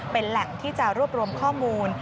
เป็นแหล่งที่จะรวบรวมข้อมูล